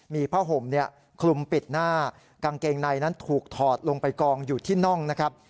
มีผ้าห่มเนี่ยคลุมปิดหน้ากางเกงในนั้นถูกถอดลงไปกองอยู่ที่น่องนะครับ